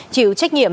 chịu trách nhiệm